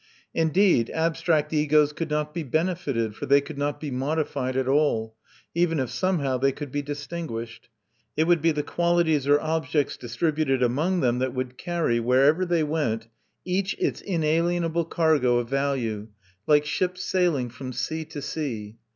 Indeed, abstract egos could not be benefited, for they could not be modified at all, even if somehow they could be distinguished. It would be the qualities or objects distributed among them that would carry, wherever they went, each its inalienable cargo of value, like ships sailing from sea to sea.